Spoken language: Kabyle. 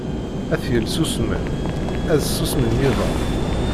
Ad t-yels usemmiḍ, ad susmen yiḍan